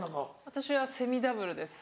私はセミダブルです。